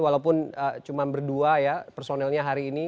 walaupun cuma berdua ya personelnya hari ini